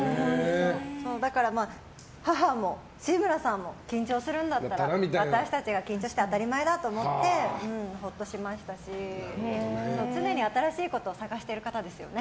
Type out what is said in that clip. だから、母も志村さんも緊張するんだったら私たちが緊張して当たり前だと思ってほっとしましたし常に新しいことを探している方ですよね。